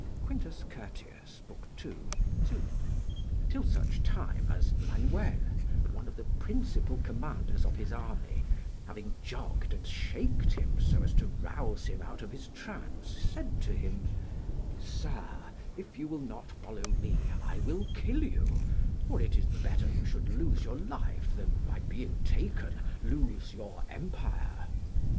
Quint. Curt., ii. II.] till such time as Manuel, one of the principal commanders of his army, having jogged and shaked him so as to rouse him out of his trance, said to him, "Sir, if you will not follow me, I will kill you; for it is better you should lose your life than, by being taken, lose your empire."